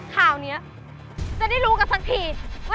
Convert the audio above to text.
โถ่เว้ย